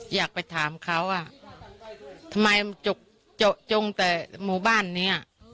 อยากไปถามเขาทำไมจกจงแต่หมู่บ้านนี้